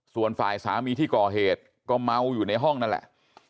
ส่วนฝ่ายสามีที่ก่อเหตุก็เมาอยู่ในห้องนั่นแหละ